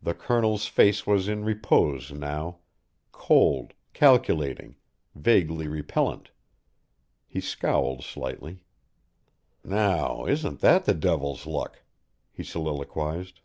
The Colonel's face was in repose now cold, calculating, vaguely repellent. He scowled slightly. "Now, isn't that the devil's luck?" he soliloquized.